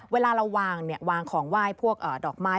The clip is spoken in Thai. เวลาเราวางของไหว้พวกดอกไม้